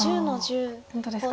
本当ですか。